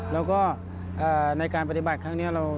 แล้วก็ในการปฏิบัติครั้งนี้